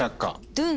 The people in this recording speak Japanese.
ドゥン。